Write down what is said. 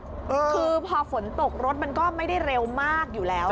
คือพอฝนตกรถมันก็ไม่ได้เร็วมากอยู่แล้ว